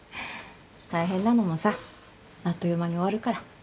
大変なのもさあっという間に終わるから。